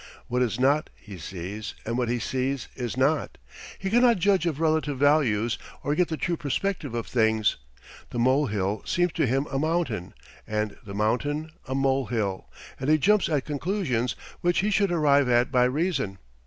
What is not, he sees, and what he sees, is not. He cannot judge of relative values or get the true perspective of things. The molehill seems to him a mountain and the mountain a molehill, and he jumps at conclusions which he should arrive at by reason.